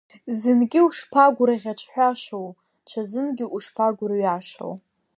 Зынгьы ушԥа гәрӷьаҿҳәашоу, ҽазынгьы ушԥа гәырҩашоу!